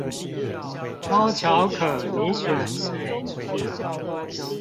貓巧可你選誰